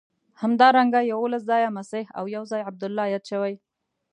همدارنګه یوولس ځایه مسیح او یو ځای عبدالله یاد شوی.